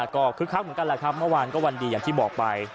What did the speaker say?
ก็คึกคักเหมือนกันแหละครับเมื่อวานก็วันดีอย่างที่บอกไป